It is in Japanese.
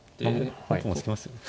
本譜も突きますよね。